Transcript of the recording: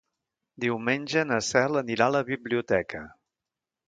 Diumenge na Cel anirà a la biblioteca.